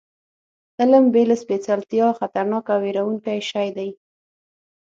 علم بې له سپېڅلتیا خطرناک او وېروونکی شی دی.